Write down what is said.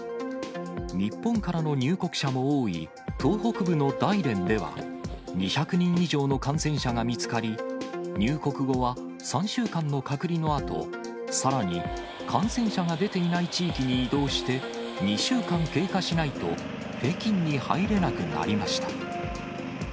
日本からの入国者も多い東北部の大連では、２００人以上の感染者が見つかり、入国後は３週間の隔離のあと、さらに感染者が出ていない地域に移動して、２週間経過しないと、北京に入れなくなりました。